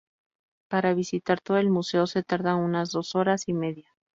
Para visitar todo el museo se tarda unas dos horas y media.